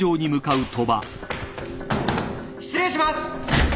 ・・失礼します。